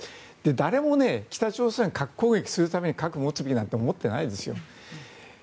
誰も北朝鮮、核攻撃するために核を持つなんて思ってないですよ。